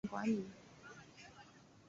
行政上由庞卡杰内和群岛县管理。